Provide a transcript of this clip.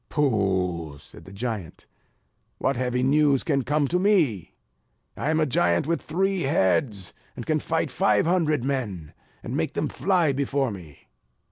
"Pooh!" said the giant, "what heavy news can come to me? I am a giant with three heads; and can fight five hundred men, and make them fly before me."